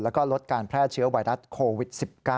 แล้วก็ลดการแพร่เชื้อไวรัสโควิด๑๙